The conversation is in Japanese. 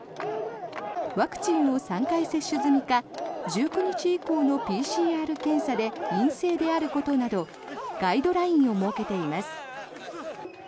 ワクチンを３回接種済みか１９日以降のＰＣＲ検査で陰性であることなどガイドラインを設けています。